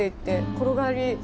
転がり坂」。